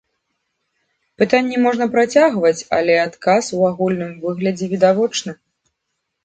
Пытанні можна працягваць, але адказ у агульным выглядзе відавочны.